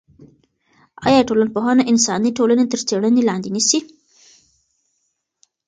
آیا ټولنپوهنه انساني ټولنې تر څېړنې لاندې نیسي؟